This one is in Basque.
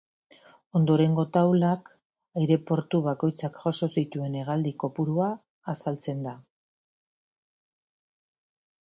Ondorengo taulak aireportu bakoitzak jaso zituen hegaldi kopurua azaltzen da.